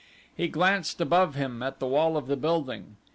He glanced above him at the wall of the building.